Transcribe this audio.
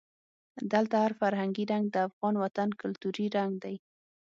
دلته هر فرهنګي رنګ د افغان وطن کلتوري رنګ دی.